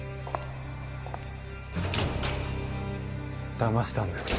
だましたんですか？